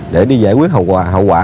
để đi giải quyết hậu quả